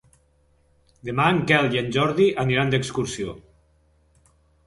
Demà en Quel i en Jordi aniran d'excursió.